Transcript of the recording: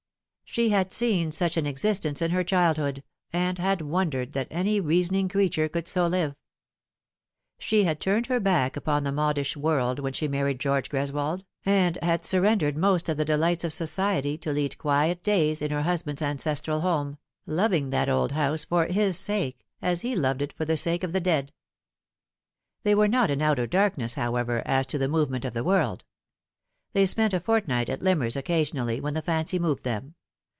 She had seen such an existence in her childhood, and had wondered that any reasoning creature could so live. She had turned her back upon the modish world when she married George Greswold, and had surrendered most of the delights of society to lead quiet days in her husband's ancestral home, loving that old house for his sake, as he loved it for the sake of the dead. They were not in outer darkness, however, as to the move ment of the world. They spent a fortnight at Limmers occa sionally, when the fancy moved them.